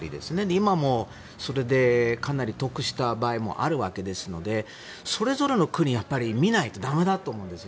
今もそれでかなり得した場合もあるわけですのでそれぞれの国を見ないと駄目だと思うんです。